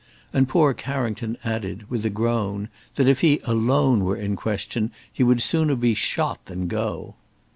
And poor Carrington added, with a groan, that if he alone were in question, he would sooner be shot than go.